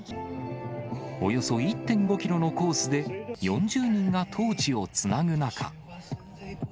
およそ１．５キロのコースで４０人がトーチをつなぐ中。